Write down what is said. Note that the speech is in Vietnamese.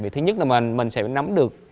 thứ nhất là mình sẽ nắm được